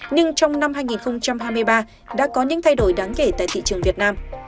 nhưng trong năm hai nghìn hai mươi ba đã có những thay đổi đáng kể tại thị trường việt nam